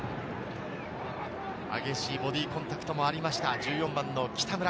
激しいボディーコンタクトもありました、１４番の北村。